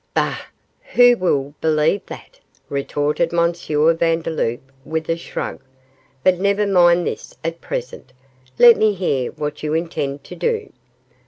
'Bah! who will believe that?' retorted M. Vandeloup, with a shrug; 'but never mind this at present; let me hear what you intend to do.